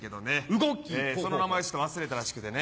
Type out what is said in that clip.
その名前をちょっと忘れたらしくてね。